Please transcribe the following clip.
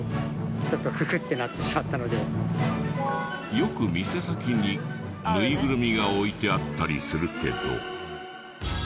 よく店先にぬいぐるみが置いてあったりするけど。